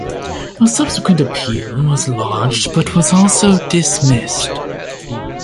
A subsequent appeal was lodged but was also dismissed.